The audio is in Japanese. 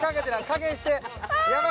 加減して。